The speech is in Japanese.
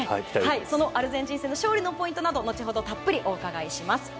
そのアルゼンチン戦の勝利のポイントなどたっぷりお伺いします。